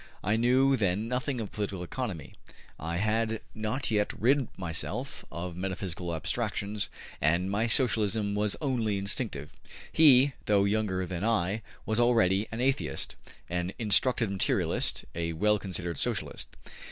I knew then nothing of political economy. I had not yet rid myself of metaphysical abstractions, and my Socialism was only instinctive. He, though younger than I, was already an atheist, an instructed materialist, a well considered Socialist.